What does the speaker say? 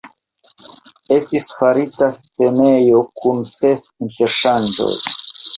Estis farita scenejo kun ses interŝanĝoj.